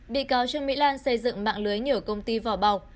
bị cáo trương mỹ lan xây dựng mạng lưới nhiều công ty vỏ bọc